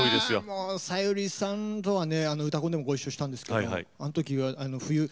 さゆりさんとはね「うたコン」でもご一緒したんですけどあの時「冬景色」やったんですよ。